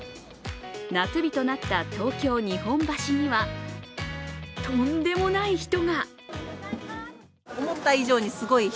夏日となった東京・日本橋にはとんでもない人が。